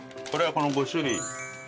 これはこの５種類。